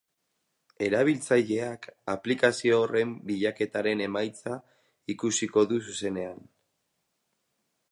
Erabiltzaileak aplikazio horren bilaketaren emaitza ikusiko du zuzenean.